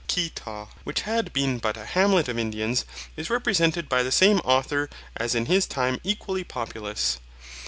Quito, which had been but a hamlet of indians, is represented by the same author as in his time equally populous.